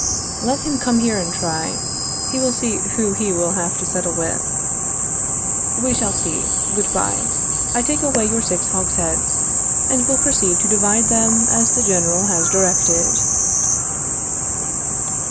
Let him come here and try. He will see who he will have to settle with. We shall see. Good bye. I take away your six hogsheads, and will proceed to divide them as the General has directed.